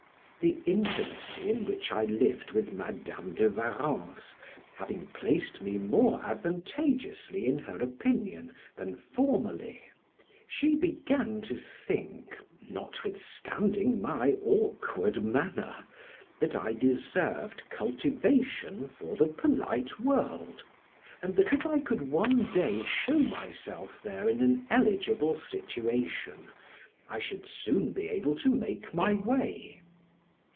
The intimacy in which I lived with Madam de Warrens, having placed me more advantageously in her opinion than formerly, she began to think (notwithstanding my awkward manner) that I deserved cultivation for the polite world, and that if I could one day show myself there in an eligible situation, I should soon be able to make my way.